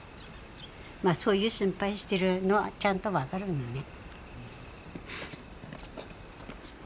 まあそういう心配してるのはちゃんと分かるんだよね。